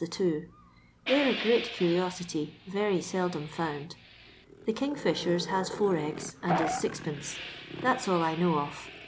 the two; thejf're a great cur'osity, very seldom found. The kingfishers has four eggs, and is 6d. That 's all I know of.